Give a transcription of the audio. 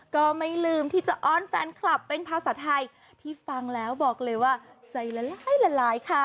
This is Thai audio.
ก็ไม่ลืมที่จะอ้อนแฟนคลับเป็นภาษาไทยที่ฟังแล้วบอกเลยว่าใจละลายละลายค่ะ